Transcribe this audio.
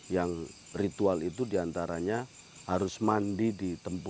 yang ritual itu diantaranya harus mandi di tempat